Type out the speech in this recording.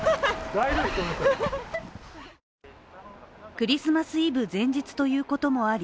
クリスマスイブ前日ということもあり